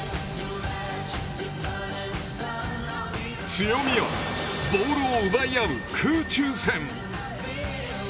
強みはボールを奪い合う空中戦。